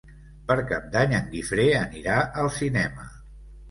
Per Cap d'Any en Guifré anirà al cinema.